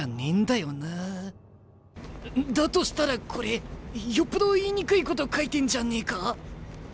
だとしたらこれよっぽど言いにくいこと書いてんじゃねえか？